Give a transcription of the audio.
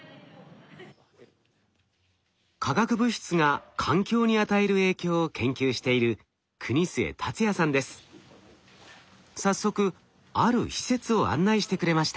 化学物質が環境に与える影響を研究している早速ある施設を案内してくれました。